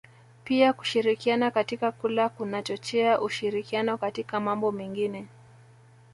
Pili kushirikiana katika kula kunachochea ushirikiano katika mambo mengine